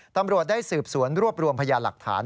ตำรวจได้สืบสวนรวบรวมพยานหลักฐาน